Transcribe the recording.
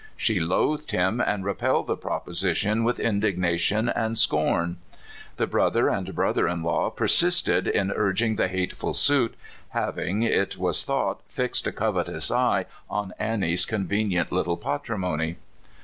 She loathed him, and repelled the proposition with indignation and scorn. The brother and brother in law per sisted in urging the hateful suit, having, it was thought, fixed a covetous eye on Annie's conven ient little patrimony.